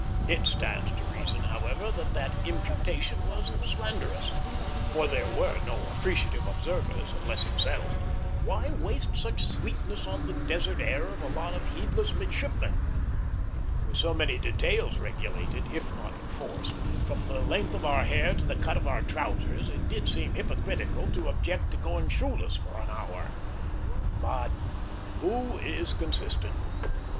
It stands to reason, however, that that imputation was slanderous, for there were no appreciative observers, unless himself. Why waste such sweetness on the desert air of a lot of heedless midshipmen? With so many details regulated if not enforced from the length of our hair to the cut of our trousers, it did seem hypercritical to object to going shoeless for an hour. But who is consistent?